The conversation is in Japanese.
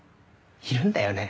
いるんだよね。